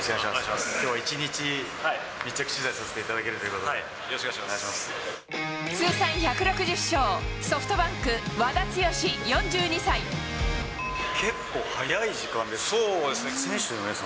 きょうは一日、密着取材できるということで、よろしくお願いしま通算１６０勝、ソフトバンク、結構、早い時間ですね。